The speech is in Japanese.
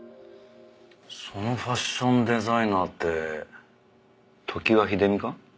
そのファッションデザイナーって常盤秀美か？